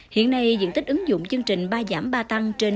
hiện nay diện tích ứng dụng công nghệ cao của tân châu là một năm triệu đồng